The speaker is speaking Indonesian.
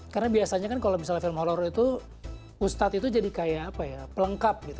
karena biasanya kan kalau misalnya film horror itu ustad itu jadi kayak apa ya pelengkap gitu